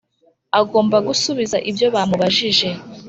agomba gusubiza ibyo ba mubajije